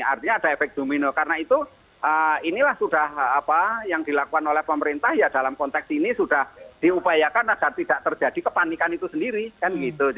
artinya ada efek domino karena itu inilah sudah apa yang dilakukan oleh pemerintah ya dalam konteks ini sudah diupayakan agar tidak terjadi kepanikan itu sendiri kan gitu